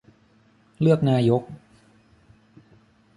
-เลือกนายก